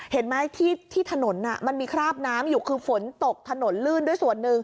เห็นไหมที่ถนนมันมีคราบน้ำอยู่คือฝนตกถนนลื่นด้วยส่วนหนึ่ง